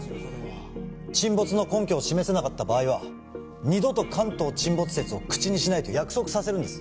沈没の根拠を示せなかった場合は二度と関東沈没説を口にしないと約束させるんです